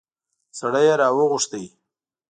سړی يې راوغوښت.